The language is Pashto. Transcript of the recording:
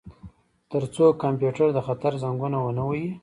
ترڅو کمپیوټر د خطر زنګونه ونه وهي